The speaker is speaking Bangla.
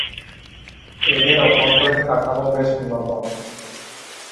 এদের অভ্যন্তরীণ কাঠামো বেশ উন্নত।